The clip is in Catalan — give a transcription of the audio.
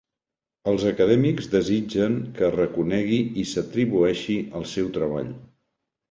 Els acadèmics desitgen que es reconegui i s'atribueixi el seu treball.